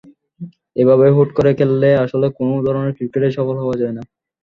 এভাবে হুট করে খেললে আসলে কোনো ধরনের ক্রিকেটেই সফল হওয়া যায় না।